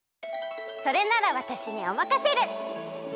それならわたしにおまかシェル！